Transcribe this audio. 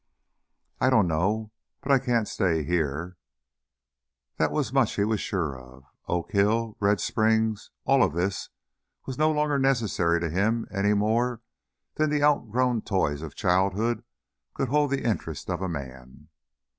"I don't know. But I can't stay here." That much he was sure of, Oak Hill, Red Springs, all of this was no longer necessary to him any more than the outgrown toys of childhood could hold the interest of a man.